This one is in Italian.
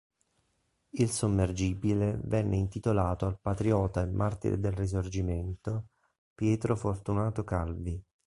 Il sommergibile venne intitolato al patriota e martire del Risorgimento Pietro Fortunato Calvi.